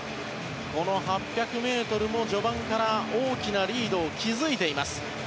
この８００ｍも序盤から大きなリードを築いています。